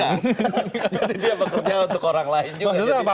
jadi dia bekerja untuk orang lain juga